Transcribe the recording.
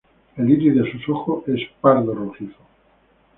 El iris de sus ojos es pardo rojizo.